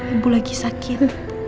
ibu lagi sakit